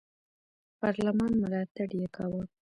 پارلمان ملاتړ یې کاوه.